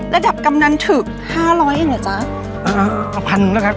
ระดับกำนันถึกห้าร้อยอันเหรอจ๊ะเอาเอาเอาพันแล้วครับ